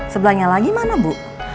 sebelahnya lagi mana bu